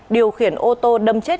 điều khiển ô tô đâm chết